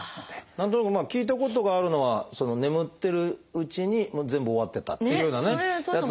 何となく聞いたことがあるのは眠ってるうちに全部終わってたというようなやつもあります。